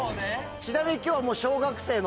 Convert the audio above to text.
ちなみに今日は。